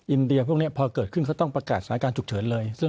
อินเดียพวกนี้พอเกิดขึ้นเขาต้องประกาศสถานการณ์ฉุกเฉินเลย